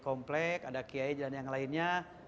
komplek ada kiai dan yang lainnya